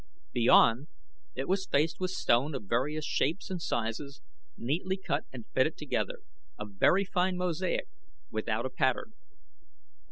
Beyond it was faced with stone of various shapes and sizes, neatly cut and fitted together a very fine mosaic without a pattern.